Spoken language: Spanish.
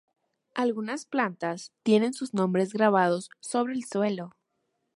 Algunas plantas tienen sus nombres grabados sobre el suelo.